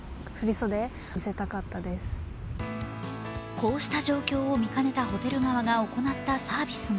こうした状況を見かねたホテル側が行ったサービスが